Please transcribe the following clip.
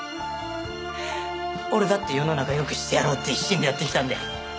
俺だって世の中よくしてやろうって一心でやってきたんだよ